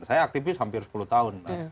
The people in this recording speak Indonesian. saya aktivis hampir sepuluh tahun